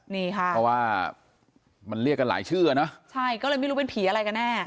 นี่ค่ะเพราะว่ามันเรียกกันหลายชื่ออ่ะเนอะใช่ก็เลยไม่รู้เป็นผีอะไรกันแน่